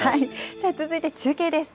続いて中継です。